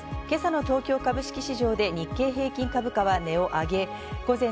今朝の東京株式市場で日経平均株価は値を上げました。